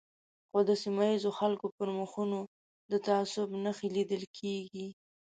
خو د سیمه ییزو خلکو پر مخونو د تعصب نښې لیدل کېږي.